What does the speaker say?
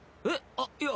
あっいや。